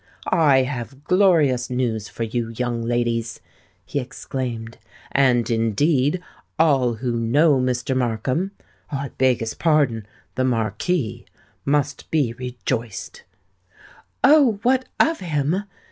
"I have glorious news for you, young ladies," he exclaimed; "and, indeed, all who know Mr. Markham——I beg his pardon, the Marquis——must be rejoiced." "Oh! what of him?"